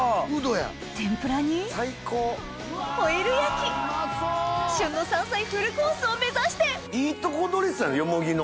天ぷらにホイル焼き旬の山菜フルコースを目指していいとこ取りっすねヨモギの。